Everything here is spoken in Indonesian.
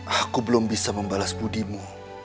aku belum bisa membalas budimu